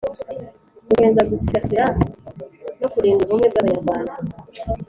Gukomeza gusigasira no kurinda ubumwe bw abanyarwanda